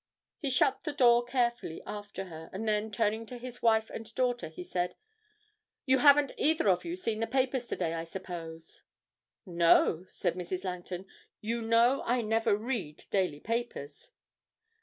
He shut the door carefully after her, and then, turning to his wife and daughter, he said, 'You haven't either of you seen the papers to day, I suppose?' 'No,' said Mrs. Langton; 'you know I never read daily papers.